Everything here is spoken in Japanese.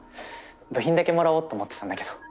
部品だけもらおうと思ってたんだけど。